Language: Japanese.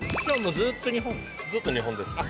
ずっと日本です。